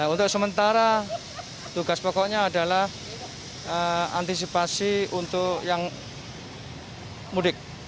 untuk sementara tugas pokoknya adalah antisipasi untuk yang mudik